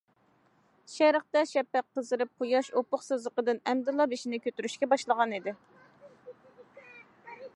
شەرقتە شەپەق قىزىرىپ قۇياش ئۇپۇق سىزىقىدىن ئەمدىلا بېشىنى كۆتۈرۈشكە باشلىغانىدى.